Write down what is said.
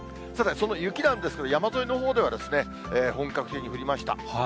さて、その雪なんですけど、山沿いのほうでは、本格的に降りました。